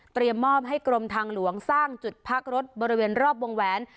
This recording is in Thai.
มอบให้กรมทางหลวงสร้างจุดพักรถบริเวณรอบวงแหวน